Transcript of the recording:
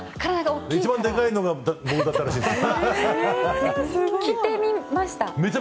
一番でかいのが僕だったらしいです。